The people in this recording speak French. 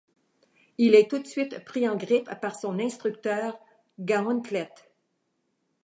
Il est tout de suite pris en grippe par son instructeur, Gauntlet.